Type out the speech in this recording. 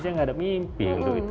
saya gak ada mimpi